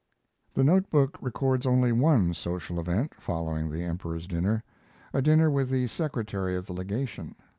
The note book records only one social event following the Emperor's dinner a dinner with the secretary of the legation.